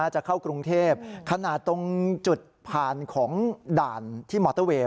จะเข้ากรุงเทพขนาดตรงจุดผ่านของด่านที่มอเตอร์เวย์